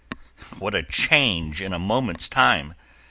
What a change in a moment's time!